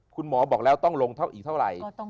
คุณหมอบอกแล้วต้องลงเท่าอีกเท่าไหร่